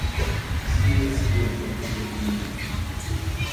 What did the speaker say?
Сирия отвергла эти обвинения.